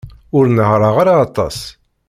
Ur nehhṛeɣ ara aṭas.